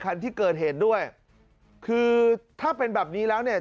คันที่เกิดเหตุด้วยคือถ้าเป็นแบบนี้แล้วเนี่ย